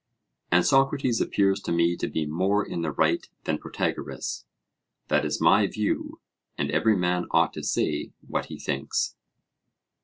And Socrates appears to me to be more in the right than Protagoras; that is my view, and every man ought to say what he thinks.